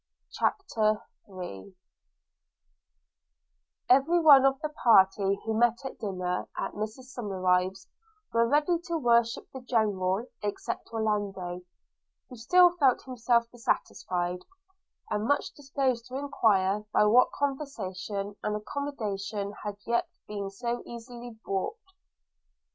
CHAPTER III EVERY one of the party who met at dinner, at Mr Somerive's, were ready to worship the General, except Orlando, who still felt himself dissatisfied, and much disposed to enquire by what conversation an accommodation had been so easily brought about.